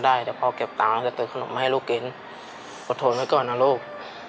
ได้แต่พ่อเก็บตังค์แล้วเติดขนมให้ลูกเกร็นขอโทษไว้ก่อนนะลูก